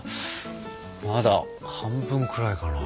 まだ半分くらいかな？